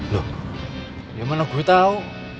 loh gimana gue tau